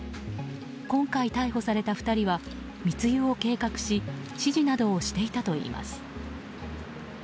今回逮捕された２人は密輸を計画し指示などをしていたといいます。